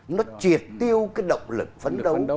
nó triệt tiêu cái động lực phấn đấu